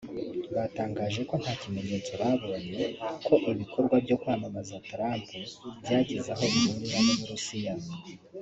Batangaje ko nta kimenyetso babonye ko ibikorwa byo kwamamaza Trump byagize aho bihurira n’u Burusiya